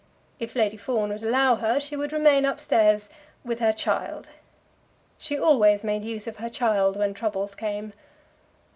If Lady Fawn would allow her, she would remain up stairs with her child. She always made use of her child when troubles came.